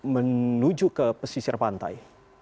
menuju ke pesisir pantai